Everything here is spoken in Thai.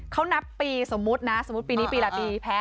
เขานับปีสมมุตินะสมมุติปีนี้ปีละปีแพ้